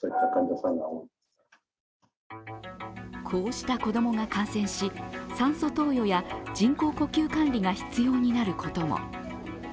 こうした子供が感染し酸素投与や人工呼吸管理が必要になることも。